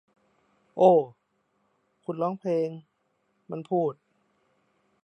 โอ้ คุณร้องเพลง มันพูด